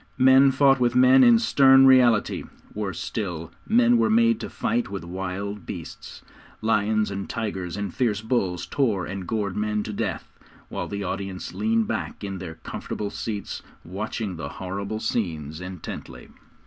Men fought with men in stern reality; worse still, men were made to fight with wild beasts. Lions and tigers, and fierce bulls tore and gored men to death, while the audience leaned back in their comfortable seats, watching the horrible scenes intently.